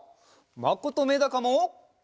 まことめだかも！